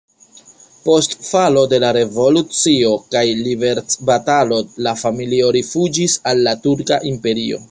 Post falo de la revolucio kaj liberecbatalo la familio rifuĝis al la Turka Imperio.